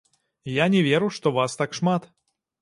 Я не веру, што вас так шмат!